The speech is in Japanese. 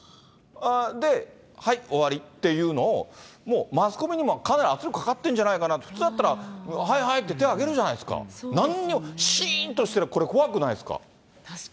で、はい、終わりっていうのを、もうマスコミにもかなり圧力かかってるんじゃないかな、普通だったら、はいはいって手挙げるじゃないですか、なんにも、しーんとしてる、これ怖くないですか？